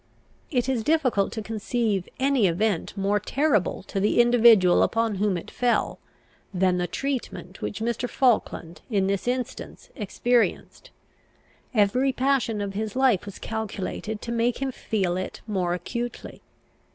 It is difficult to conceive any event more terrible to the individual upon whom it fell, than the treatment which Mr. Falkland in this instance experienced. Every passion of his life was calculated to make him feel it more acutely.